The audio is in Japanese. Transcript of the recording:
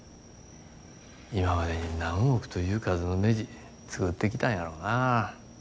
今までに何億という数のねじ作ってきたんやろなぁ。